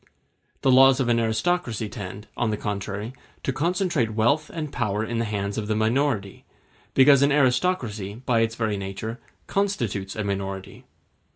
The laws of an aristocracy tend, on the contrary, to concentrate wealth and power in the hands of the minority, because an aristocracy, by its very nature, constitutes a minority.